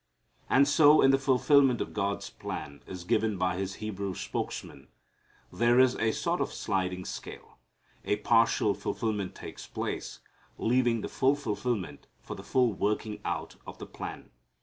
And so in the fulfilment of God's plan as given by His Hebrew spokesmen, there is a sort of sliding scale. A partial fulfilment takes place, leaving the full fulfilment for the full working out of the plan.